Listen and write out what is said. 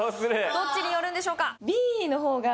どっちに寄るんでしょうか？